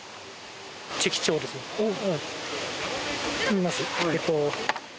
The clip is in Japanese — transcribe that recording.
見ます？